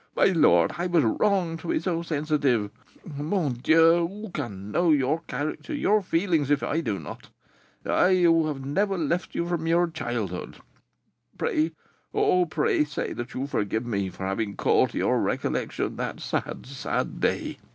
My lord, I was wrong to be so sensitive. Mon Dieu! who can know your character, your feelings, if I do not, I, who have never left you from your childhood! Pray, oh, pray say that you forgive me for having called to your recollection that sad, sad day.